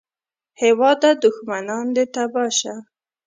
هېواده دوښمنان دې تباه شه